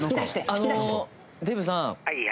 あのデーブさん。